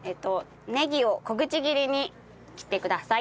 ねぎを小口切りに切ってください。